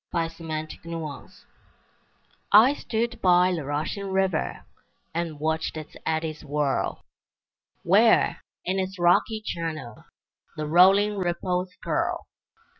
Y Z Never and Forever I stood by the rushing river, And watched its eddies whirl, Where, in its rocky channel, The rolling ripples curl.